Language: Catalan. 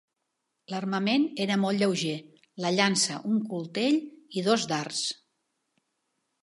L'armament era molt lleuger: la llança, un coltell i dos dards.